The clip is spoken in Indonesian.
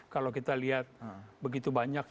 kalau kita lihat begitu banyak